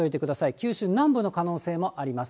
九州南部の可能性もあります。